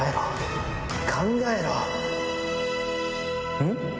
うん？